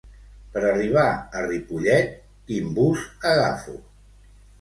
Per arribar a Ripollet, quin bus agafo?